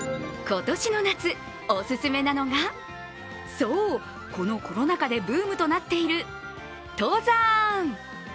今年の夏、お勧めなのが、そう、このコロナ禍でブームとなっている登山。